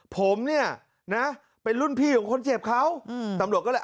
ผมเนี่ยนะเป็นรุ่นพี่ของคนเจ็บเขาอืมตำรวจก็เลย